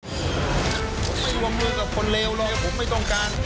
ผมไม่วงมือกับคนเลวเลยผมไม่ต้องการ